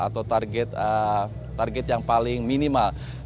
atau target yang paling minimal